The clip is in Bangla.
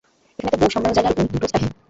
এখানে একটা বউ সামলানো যায় না আর উনি দুটো চায়।